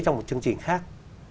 trong một chương trình khác